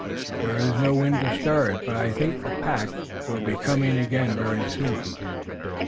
There is no wind to stir it. But I think the pack will be coming again very soon.